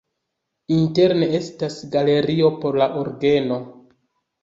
Interne estas galerio por la orgeno.